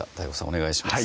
お願いします